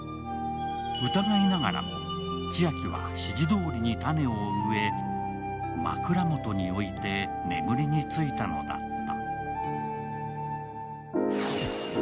疑いながらも、千晶は指示どおりに種を植え枕元に置いて眠りについたのだった。